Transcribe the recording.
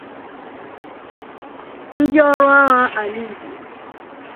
ndị ọrụ agha ala Nigeria